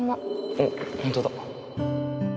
おっホントだ